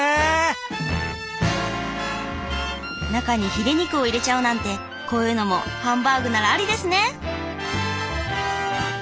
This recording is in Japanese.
中にヒレ肉を入れちゃうなんてこういうのもハンバーグならありですね。